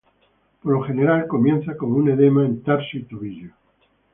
Por lo general comienza como un edema en tarso y tobillo.